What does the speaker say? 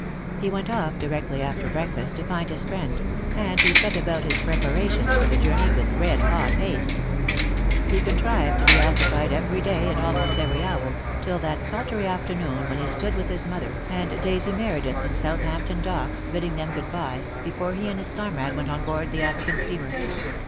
He went off directly after breakfast to find his friend, and he set about his preparations for the journey with red hot haste. He contrived to be occupied every day and almost every hour, till that sultry afternoon when he stood with his mother and Dead Love has Chains. I9 290 DEAD LOVE HAS CHAINS. Daisy Meredith in Southampton Docks, bidding them good bye, before he and his comrade went on board the African steamer.